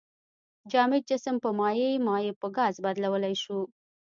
جامد جسم په مایع، مایع په ګاز بدلولی شو.